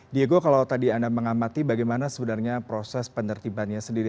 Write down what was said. diego kalau tadi anda mengamati bagaimana sebenarnya proses penertibannya sendiri